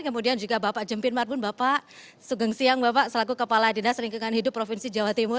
kemudian juga bapak jempin marbun bapak sugeng siang bapak selaku kepala dinas lingkungan hidup provinsi jawa timur